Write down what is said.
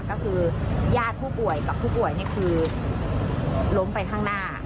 ก็คือญาติผู้ป่วยกับผู้ป่วยนี่คือล้มไปข้างหน้า